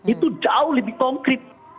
itu jauh lebih konkret